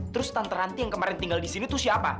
terus tante ranti yang kemarin tinggal di sini tuh siapa